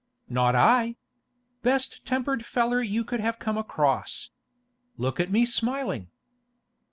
'Not I! Best tempered feller you could have come across. Look at me smiling.